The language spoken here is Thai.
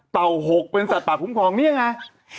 เต่าหกเป็นสัตว์ปากคุ้มครองนี่ไง